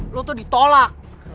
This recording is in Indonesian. lu tuh ditolak